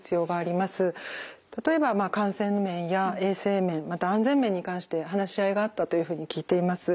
例えば感染面や衛生面また安全面に関して話し合いがあったというふうに聞いています。